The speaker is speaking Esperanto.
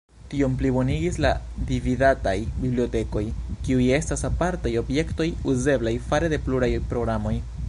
Tion plibonigis la "dividataj" bibliotekoj, kiuj estas apartaj objektoj uzeblaj fare de pluraj programoj.